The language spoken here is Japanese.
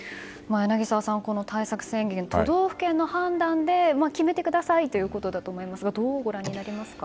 柳澤さん、この対策宣言都道府県の判断で決めてくださいということだと思いますがどうご覧になりますか？